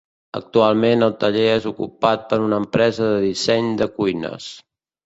Actualment, el taller és ocupat per una empresa de disseny de cuines.